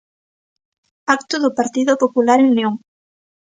Acto do Partido Popular en León.